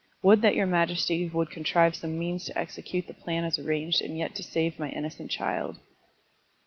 Would that your majesty would contrive some means to execute the plan as arranged and yet to save my innocent child."